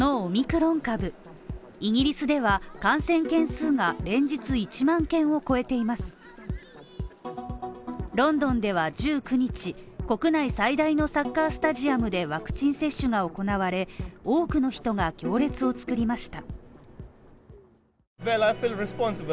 ロンドンでは１９日、国内最大のサッカースタジアムでワクチン接種が行われ、多くの人が行列を作りました。